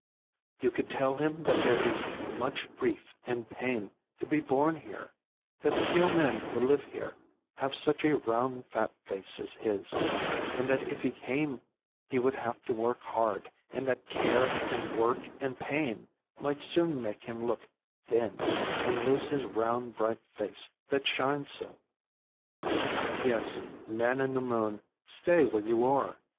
You could tell him that there is much grief and pain to be borne here that few men who live here have such a round fat face as his, and that if he came he would have to work hard, and that care, and work, and pain might soon make him look thin, and lose his round bright face that shines so. Yes, man in the moon, stay where you are.